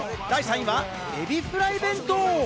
第３位は海老フライ弁当。